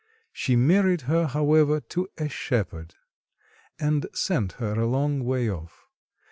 She married her, however, to a shepherd, and sent her a long way off.